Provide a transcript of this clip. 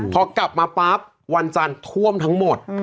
พอกลับมาปั๊บวันจันทร์ท่วมทั้งหมด